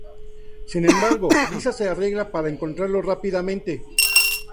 Sin embargo, Lisa se las arregla para encontrarlo rápidamente.